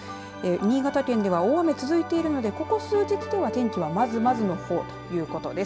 新潟県では大雨、続いているのでここ数日では天気は、まずまずのほうだということです。